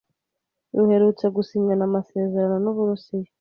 ruherutse gusinyana amasezerano n’u Burusiya